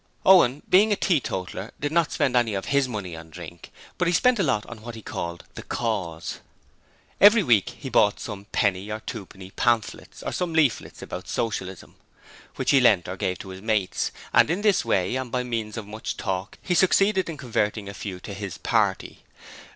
Owen, being a teetotaller, did not spend any of his money on drink; but he spent a lot on what he called 'The Cause'. Every week he bought some penny or twopenny pamphlets or some leaflets about Socialism, which he lent or gave to his mates; and in this way and by means of much talk he succeeded in converting a few to his party.